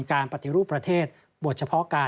การปฏิรูปประเทศบทเฉพาะการ